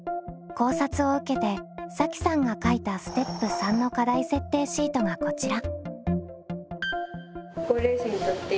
考察を受けてさきさんが書いたステップ３の課題設定シートがこちら。